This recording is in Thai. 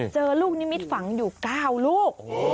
เจอลูกนิมิตฝังอยู่๙ลูก